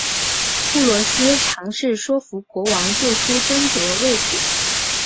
布罗斯尝试说服国王救出贞德未果。